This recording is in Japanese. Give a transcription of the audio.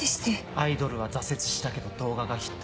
アイドルは挫折したけど動画がヒット。